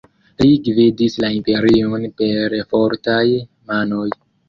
Li gvidis la imperion per fortaj manoj.